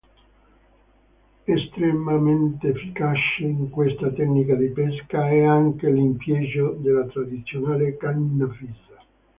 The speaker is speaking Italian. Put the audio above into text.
Estremamente efficace in questa tecnica di pesca è anche l'impiego della tradizionale canna fissa.